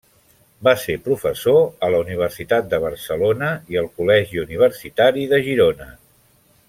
Va ser professor a la Universitat de Barcelona i al Col·legi Universitari de Girona.